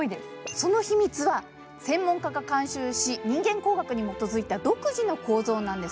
その秘密は、専門家が監修し人間工学に基づいた独自の構造なんです。